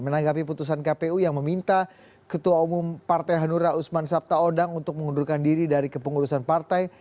menanggapi putusan kpu yang meminta ketua umum partai hanura usman sabta odang untuk mengundurkan diri dari kepengurusan partai